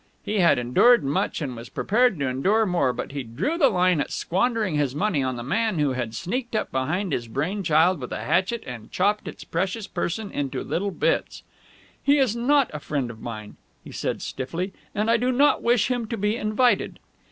He had endured much and was prepared to endure more, but he drew the line at squandering his money on the man who had sneaked up behind his brain child with a hatchet and chopped its precious person into little bits. "He is not a friend of mine," he said stiffly, "and I do not wish him to be invited!"